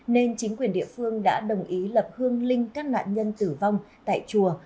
nên chính quyền địa phương đã đồng ý lập hương linh các nạn nhân tử vong tại chùa